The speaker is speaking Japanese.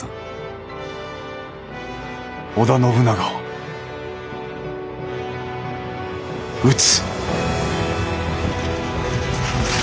織田信長を討つ。